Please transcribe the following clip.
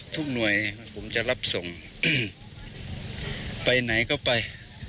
ทุกหน่วยผมจะรับส่งไปไหนก็ไป